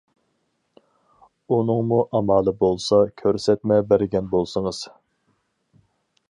ئۇنىڭمۇ ئامالى بولسا كۆرسەتمە بەرگەن بولسىڭىز.